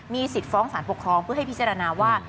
สิทธิ์ฟ้องสารปกครองเพื่อให้พิจารณาว่า